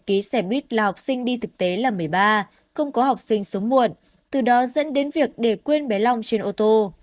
ký xe buýt là học sinh đi thực tế là một mươi ba không có học sinh sống muộn từ đó dẫn đến việc để quên bé long trên ô tô